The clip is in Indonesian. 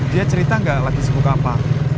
dia cerita ga lagi sepuk apa